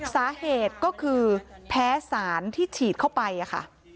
สาเหตุก็คือแพ้สารที่ฉีดเข้าไปค่ะ